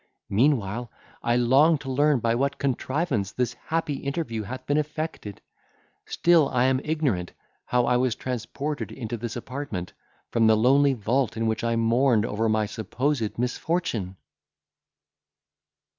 —Meanwhile, I long to learn by what contrivance this happy interview hath been effected. Still am I ignorant how I was transported into this apartment, from the lonely vault in which I mourned over my supposed misfortune!"